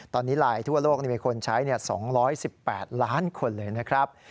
ตอนนี้ลายทั่วโลกมีคนใช้๒๑๘ล้านคนเลยนะครับ